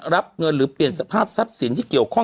รับเงินหรือเปลี่ยนสภาพทรัพย์สินที่เกี่ยวข้อง